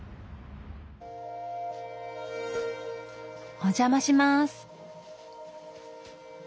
お邪魔します。